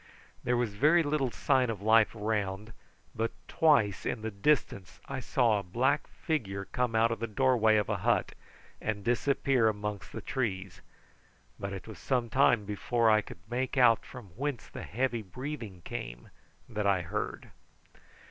There was very little sign of life around, but twice in the distance I saw a black figure come out of the doorway of a hut and disappear amongst the trees, but it was some time before I could make out from whence the heavy breathing came that I had heard.